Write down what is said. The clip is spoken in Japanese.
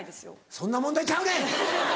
そんな問題ちゃうねん！